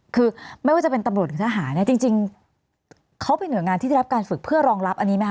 คือไม่ว่าจะเป็นตำรวจหรือทหารเนี่ยจริงเขาเป็นหน่วยงานที่ได้รับการฝึกเพื่อรองรับอันนี้ไหมค